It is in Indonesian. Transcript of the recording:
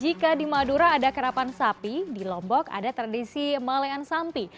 jika di madura ada karapan sapi di lombok ada tradisi malean sampi